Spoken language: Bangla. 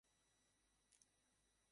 পূর্ব অংশটি বাংলাদেশের সাথে সীমানা গঠন করে।